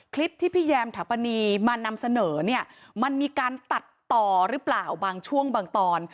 คลิปที่พี่แยมถาปนีมานำเสนอเนี่ยมันมีการตัดต่อหรือเปล่าบางช่วงบางตอน